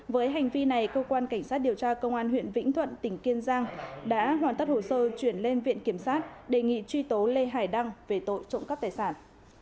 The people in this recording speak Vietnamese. với hành vi này cơ quan cảnh sát điều tra công an huyện vĩnh thuận tỉnh kiên giang đã hoàn tất hồ sơ chuyển lên viện kiểm sát đề nghị truy tố lê hải đăng về tội trộm cắp tài sản